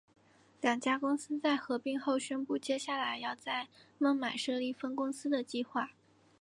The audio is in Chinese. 两家公司在合并后宣布接下来要在孟买设立分公司的计划。